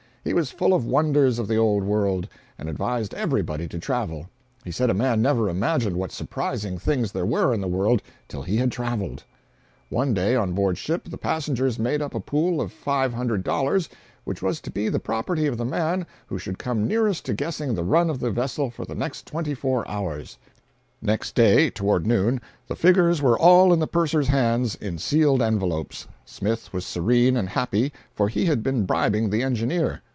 He was full of wonders of the old world, and advised everybody to travel. He said a man never imagined what surprising things there were in the world till he had traveled. One day, on board ship, the passengers made up a pool of $500, which was to be the property of the man who should come nearest to guessing the run of the vessel for the next twenty four hours. Next day, toward noon, the figures were all in the purser's hands in sealed envelopes. Smith was serene and happy, for he had been bribing the engineer.